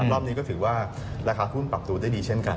รอบนี้ก็ถือว่าราคาหุ้นปรับตัวได้ดีเช่นกัน